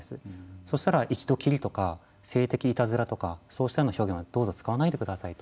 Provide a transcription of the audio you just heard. そしたら一度きりとか性的いたずらとかそうした表現はどうぞ使わないでくださいと。